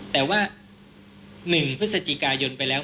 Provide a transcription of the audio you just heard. แต่ว่า๑พฤศจิกายนไปแล้ว